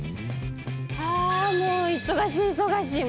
あもう忙しい忙しい。